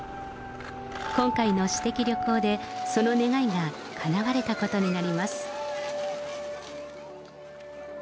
今回の私的旅行でその願いがかなわれたことになります。